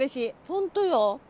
本当よ。